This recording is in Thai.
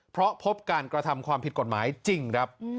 เพราะพบการกระทำความผิดกฎหมายจริงครับ